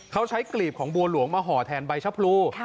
เขาใช้กลีบของบัวหลวงมาห่อแทนใบชะพรู